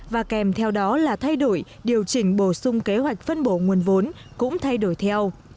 và kèm theo đó là thay đổi điều chỉnh bổ sung kế hoạch phân bổ nguồn vốn cũng thay đổi theo